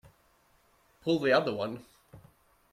Pull the other one!